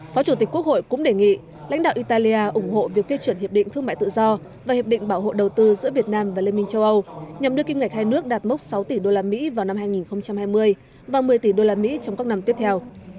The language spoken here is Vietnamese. phó chủ tịch quốc hội cũng đề nghị lãnh đạo italia ủng hộ việc phê chuẩn hiệp định thương mại tự do và hiệp định bảo hộ đầu tư giữa việt nam và liên minh châu âu nhằm đưa kim ngạch hai nước đạt mốc sáu tỷ usd vào năm hai nghìn hai mươi và một mươi tỷ usd trong các năm tiếp theo